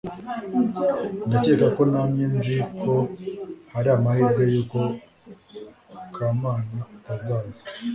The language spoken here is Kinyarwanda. ndakeka ko namye nzi ko hari amahirwe yuko kamana atazaza